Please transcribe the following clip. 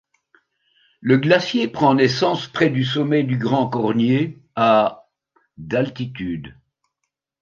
Le glacier prend naissance près du sommet du Grand Cornier à d'altitude.